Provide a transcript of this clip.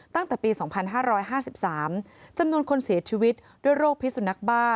ตั้งแต่ปี๒๕๕๓จำนวนคนเสียชีวิตด้วยโรคพิสุนักบ้า